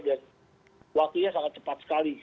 dan waktunya sangat cepat sekali